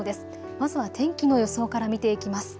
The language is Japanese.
まずは天気の予想から見ていきます。